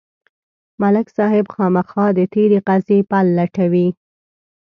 ملک صاحب خامخا د تېرې قضیې پل لټوي.